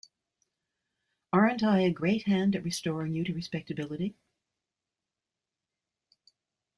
Aren’t I a great hand at restoring you to respectability?